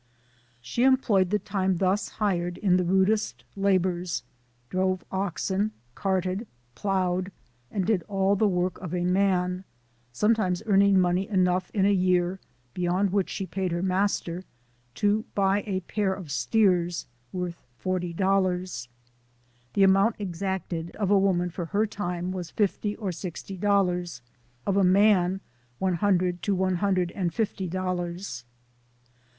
She employed the time thus hired in the rudest labors, drove oxen, carted, plowed, and did all the work of :i man, some times earning money enough in a year, beyond what she paid her master, 'to buy a pair of steers,' worth forty dollars. The amount exacted of a woman for her time was fifty or sixty dollars, of a man, one hundred to one hundred and fifty dollars.